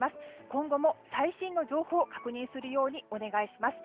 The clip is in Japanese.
今後も最新情報を確認するようにお願いします。